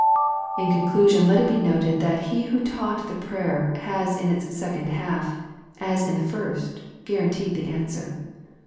In conclusion, let it be noted that He who taught the prayer has in its second half, as in the first, guaranteed the answer.